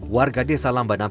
warga desa lambanampi